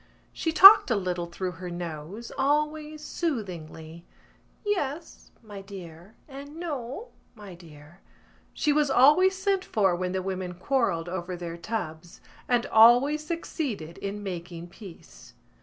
She talked a little through her nose, always soothingly: "Yes, my dear," and "No, my dear." She was always sent for when the women quarrelled over their tubs and always succeeded in making peace.